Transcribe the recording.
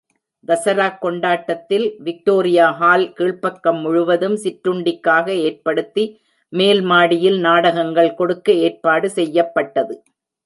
தசராக் கொண்டாட்டத்தில், Victoria Hall கீழ்ப்பக்கம் முழுவதும் சிற்றுண்டிக்காக ஏற்படுத்தி, மேல் மாடியில் நாடகங்கள் கொடுக்க ஏற்பாடு செய்யப்பட்டது.